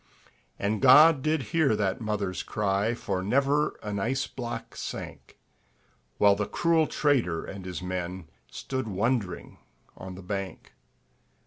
And God did hear that mother's cry, For never an ice block sank; While the cruel trader and his men Stood wondering on the bank.